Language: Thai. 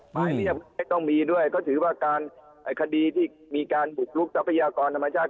หมายนี้ยังไม่ต้องมีด้วยก็ถือว่าคดีที่มีการบุกลุกทรัพยากรธรรมชาติ